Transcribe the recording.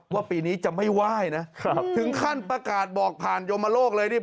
ปีนี้จะไม่ไหว้นะครับถึงขั้นประกาศบอกผ่านโยมโลกเลยนี่